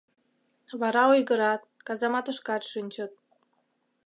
Вара ойгырат, казаматышкат шинчыт...